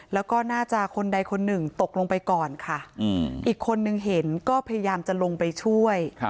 แล้วก็น่าจะคนใดคนหนึ่งตกลงไปก่อนค่ะอีกคนนึงเห็นก็พยายามจะลงไปช่วย